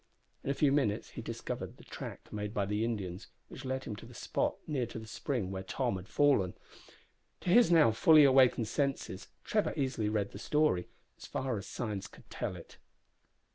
In a few minutes he discovered the track made by the Indians, which led him to the spot near to the spring where Tom had fallen. To his now fully awakened senses Trevor easily read the story, as far as signs could tell it.